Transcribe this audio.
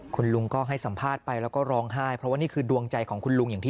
คุณลุงก็ให้สัมภาษณ์ไปแล้วก็ร้องไห้เพราะว่านี่คือดวงใจของคุณลุงอย่างที่